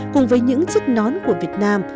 cùng với những chiếc nón của việt nam